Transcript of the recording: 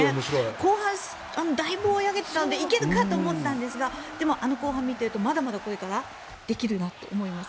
後半だいぶ追い上げていたのでいけるかと思ったんですがでもあの後半見てるとまだまだこれからできるなって思います。